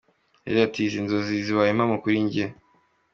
Yagize ati “Izi n’inzozi zibaye impamo kuri njye.